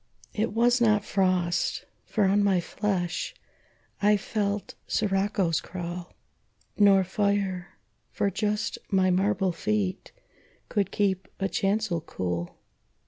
It was not frost, for on my flesh I felt siroccos crawl, Nor fire, for just my marble feet Could keep a chancel cool.